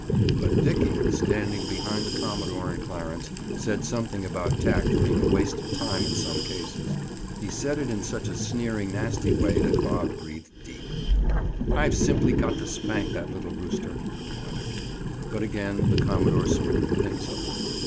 But Dickie, standing behind the commodore and Clarence, said something about tact being a waste of time in some cases. He said it in such a sneering nasty way that Bob breathed deep. "I've simply got to spank that little rooster," he muttered. But again the commodore smoothed things over.